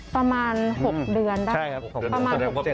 ประมาณ๖เดือนประมาณ๖๗เดือน